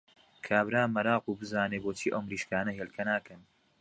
کابرا مەراق بوو بزانێ بۆچی ئەو مریشکانە هێلکە ناکەن!